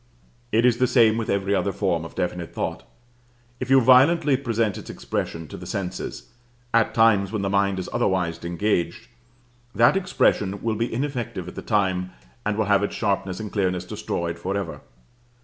It is the same with every other form of definite thought. If you violently present its expression to the senses, at times when the mind is otherwise engaged, that expression will be ineffective at the time, and will have its sharpness and clearness destroyed forever.